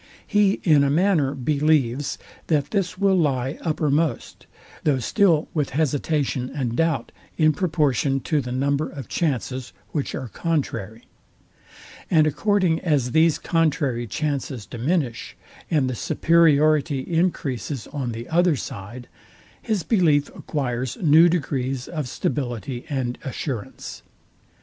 He in a manner believes, that this will lie uppermost; though still with hesitation and doubt, in proportion to the number of chances, which are contrary: And according as these contrary chances diminish, and the superiority encreases on the other side, his belief acquires new degrees of stability and assurance.